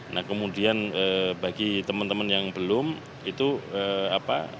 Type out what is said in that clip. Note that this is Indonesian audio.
nah kemudian bagi teman teman yang belum itu apa